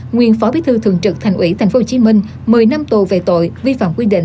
nguyên phó bí thư thường trực thành ủy tp hcm một mươi năm tù về tội vi phạm quy định